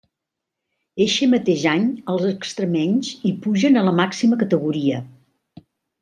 Eixe mateix any, els extremenys hi pugen a la màxima categoria.